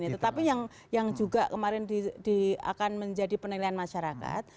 tetapi yang juga kemarin akan menjadi penilaian masyarakat